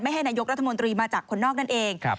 ให้นายกรัฐมนตรีมาจากคนนอกนั่นเอง